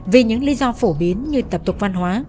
vì những lý do phổ biến như tập tục văn hóa